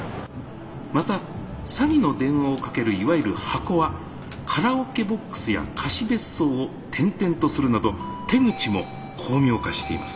また詐欺の電話をかけるいわゆる『箱』はカラオケボックスや貸別荘を転々とするなど手口も巧妙化しています」。